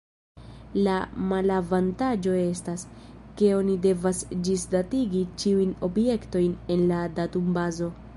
La malavantaĝo estas, ke oni devas ĝisdatigi ĉiujn objektojn en la datumbazo.